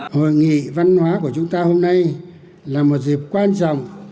hội nghị văn hóa của chúng ta hôm nay là một dịp quan trọng